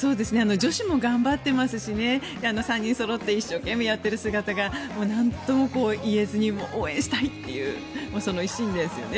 女子も頑張ってますし３人そろって一生懸命やっている姿がなんとも言えずに応援したいっていう一心ですよね。